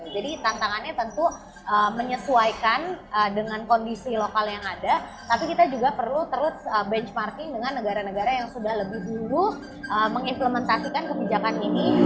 jadi tantangannya tentu menyesuaikan dengan kondisi lokal yang ada tapi kita juga perlu terus benchmarking dengan negara negara yang sudah lebih dulu mengimplementasikan kebijakan ini